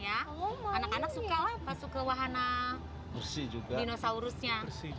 anak anak suka apa suka wahana dinosaurusnya